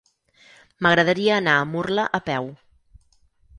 M'agradaria anar a Murla a peu.